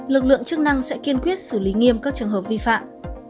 lực lượng chức năng sẽ kiên quyết xử lý nghiêm các trường hợp vi phạm